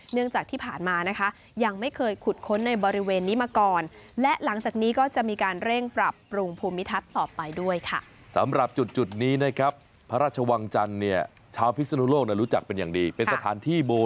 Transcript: เนื่องจากที่ผ่านมานะคะยังไม่เคยขุดค้นในบริเวณนี้มาก่อน